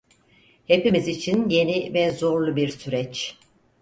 Hepimiz için yeni ve zorlu bir süreç.